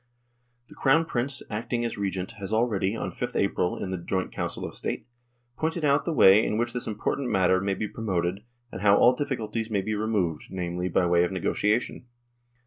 " The Crown Prince, acting as Regent, has already, on 5th April in the joint Council of State, pointed out the way in which this important matter may be pro moted, and how all difficulties may be removed, namely, by way of negotiation.